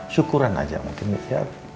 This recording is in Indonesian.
syukuran aja mungkin ya